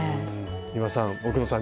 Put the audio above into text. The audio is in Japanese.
丹羽さん奥野さん